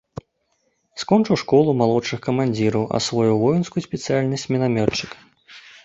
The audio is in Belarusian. Скончыў школу малодшых камандзіраў, асвоіў воінскую спецыяльнасць мінамётчыка.